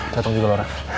dateng juga lu ref